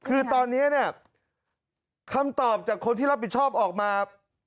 คือตอนนี้เนี่ยคำตอบจากคนที่รับผิดชอบออกมา